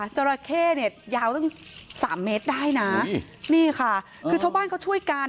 จราเข้เนี่ยยาวตั้งสามเมตรได้นะนี่ค่ะคือชาวบ้านเขาช่วยกัน